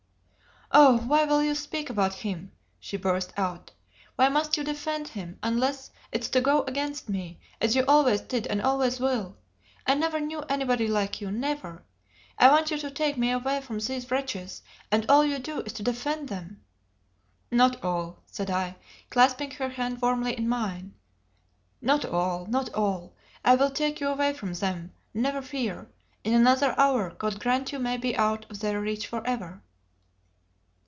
"Oh, why will you speak about him?" she burst out. "Why must you defend him, unless it's to go against me, as you always did and always will! I never knew anybody like you never! I want you to take me away from these wretches, and all you do is to defend them!" "Not all," said I, clasping her hand warmly in mine. "Not all not all! I will take you away from them, never fear; in another hour God grant you may be out of their reach for ever!"